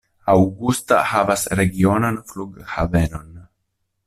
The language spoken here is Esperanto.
Augusta havas regionan flughavenon.